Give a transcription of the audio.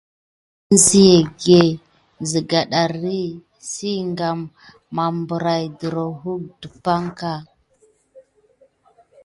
Ənzia egge zega ɗari si kan mabarain dirayuck dapay.